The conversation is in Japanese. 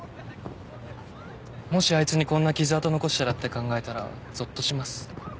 もしあいつにこんな傷痕残したらって考えたらゾッとします